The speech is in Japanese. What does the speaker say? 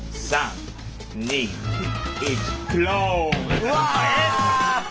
うわ！